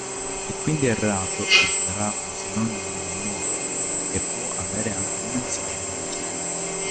È quindi errato considerarlo sinonimo di gommone, che può avere anche dimensioni maggiori.